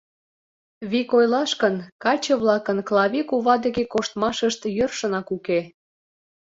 Вик ойлаш гын, каче-влакын Клави кува деке коштмашышт йӧршынак уке.